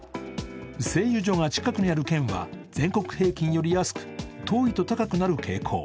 製油所が近くにある県は全国平均より安く、遠いと高くなる傾向。